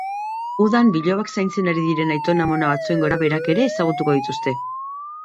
Udan bilobak zaintzen ari diren aitona-amona batzuen gorabeherak ere ezagutuko dituzte.